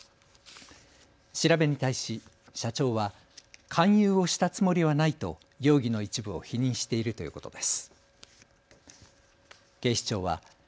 調べに対し社長は勧誘をしたつもりはないと容疑の一部を否認しているということです。